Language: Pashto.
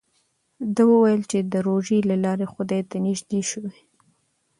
ده وویل چې د روژې له لارې خدای ته نژدې شوی.